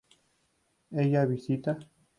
¿Ella visita?